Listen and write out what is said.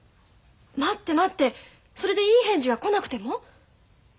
待って待ってそれでいい返事が来なくても？